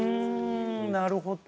なるほど。